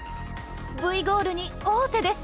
Ｖゴールに王手です。